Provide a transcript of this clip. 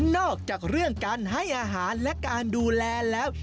นอกจากเรื่องการให้อาหารและการดูแลแล้ว